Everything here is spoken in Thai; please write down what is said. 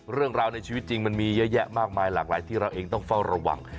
เรื่องราวในชีวิตจริงมันมีเยอะแยะมากมายหลากหลายที่เราเองต้องเฝ้าระวัง